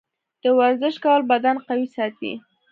د ورزش کول بدن قوي ساتي.